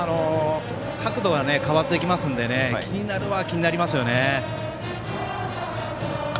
角度が変わってきますので気になるは気になりますよね。